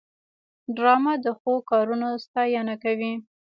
ډرامه د ښو کارونو ستاینه کوي